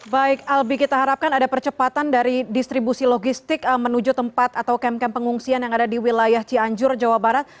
baik albi kita harapkan ada percepatan dari distribusi logistik menuju tempat atau kem kem pengungsian yang ada di wilayah cianjur jawa barat